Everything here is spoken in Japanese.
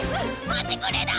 待ってくれだ！